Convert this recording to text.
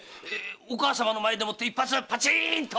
お母様の前で一発パチーンと！